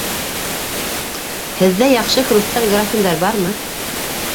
Һеҙҙә яҡшы хрусталь графиндар бармы?